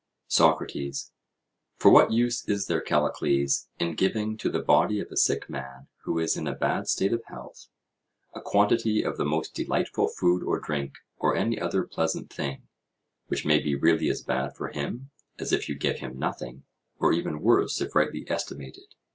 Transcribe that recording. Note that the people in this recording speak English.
SOCRATES: For what use is there, Callicles, in giving to the body of a sick man who is in a bad state of health a quantity of the most delightful food or drink or any other pleasant thing, which may be really as bad for him as if you gave him nothing, or even worse if rightly estimated.